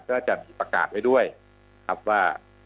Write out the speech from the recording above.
ก็จะมีประกาศไว้ด้วยครับว่า